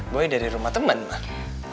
boy dari rumah temen mak